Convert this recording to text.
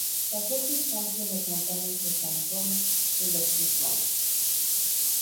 Pasó su infancia en las montañas del cantón de los Grisones.